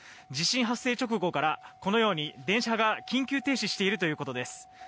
地震発生直後から電車が緊急停止しているということです。